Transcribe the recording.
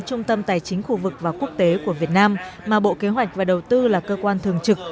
trung tâm tài chính khu vực và quốc tế của việt nam mà bộ kế hoạch và đầu tư là cơ quan thường trực